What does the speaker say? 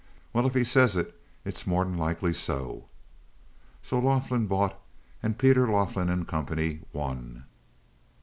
"Well, if he says it it's more'n likely so." So Laughlin bought, and Peter Laughlin & Co. won.